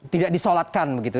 tidak disolatkan begitu